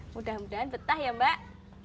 mudah mudahan betah ya mbak